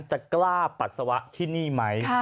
จะกล้าปัสสาวะที่นี่ไหม